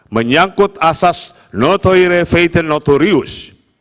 menyangkut asas notoire feiten notorius